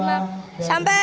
sampai lima belas november